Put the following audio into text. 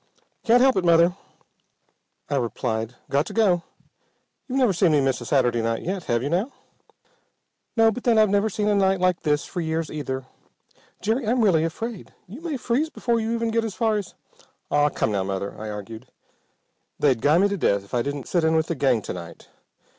"Can't help it, Mother," I replied. "Got to go. You've never seen me miss a Saturday night yet, have you now?" "No. But then I've never seen a night like this for years either. Jerry, I'm really afraid. You may freeze before you even get as far as " "Ah, come now, Mother," I argued. "They'd guy me to death if I didn't sit in with the gang to night.